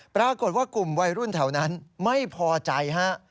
ปรากฏว่ากลุ่มวัยรุ่นแถวนั้นไม่พอใจฮะ